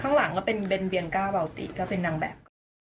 ข้างหลังก็เป็นเบนเวียงก้าเบาติก็เป็นนางแบบ